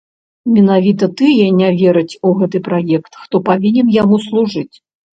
Менавіта тыя не вераць у гэты праект, хто павінен яму служыць.